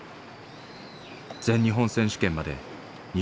全日本選手権まで２週間。